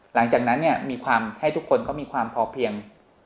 หลังจากนั้นให้ทุกคนมีความพอเพียง